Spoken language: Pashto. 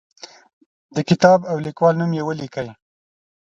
د کتاب او لیکوال نوم یې ولیکئ.